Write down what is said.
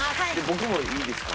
僕もいいですか？